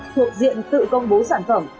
thuộc diện tự công bố sản phẩm